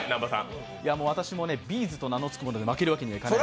私もＢ’ｚと名のつくもので負けるわけにいかない。